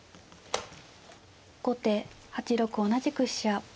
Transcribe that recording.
後手８六同じく飛車。